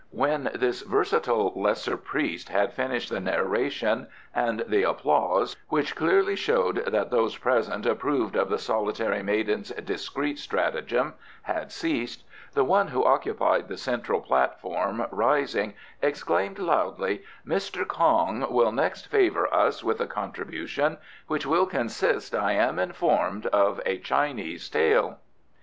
When this versatile lesser priest had finished the narration, and the applause, which clearly showed that those present approved of the solitary maiden's discreet stratagem, had ceased, the one who occupied the central platform, rising, exclaimed loudly, "Mr. Kong will next favour us with a contribution, which will consist, I am informed, of a Chinese tale."